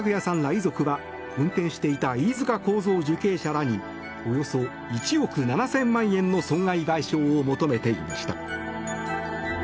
遺族は運転していた飯塚幸三受刑者らにおよそ１億７０００万円の損害賠償を求めていました。